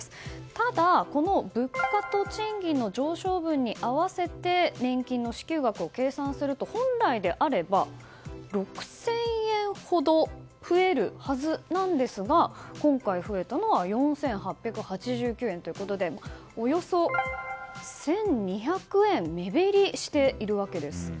ただ、物価と賃金の上昇分に合わせて年金の支給額を計算すると本来であれば６０００円ほど増えるはずなんですが今回増えたのは４８８９円ということでおよそ１２００円目減りしているわけです。